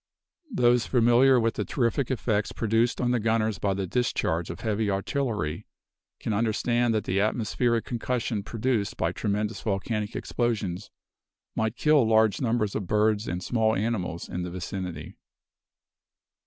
Those familiar with the terrific effects produced on the gunners by the discharge of heavy artillery, can understand that the atmospheric concussion produced by tremendous volcanic explosions might kill large numbers of birds and small animals in the vicinity.